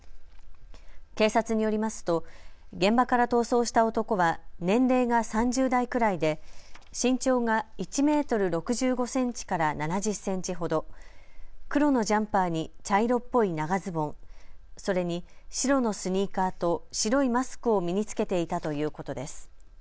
警察によりますと現場から逃走した男は年齢が３０代くらいで身長が１メートル６５センチから７０センチほど、黒のジャンパーに茶色っぽい長ズボン、それに白のスニーカーと白いマスクを身に着けていたということです。